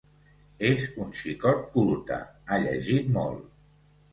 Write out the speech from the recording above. És un xicot culte: ha llegit molt.